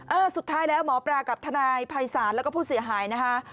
เออสุดท้ายแล้วหมอปรากับธนายภัยสารและผู้เสียหายนะครับ